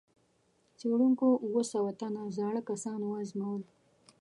څېړونکو اووه سوه تنه زاړه کسان وازمویل.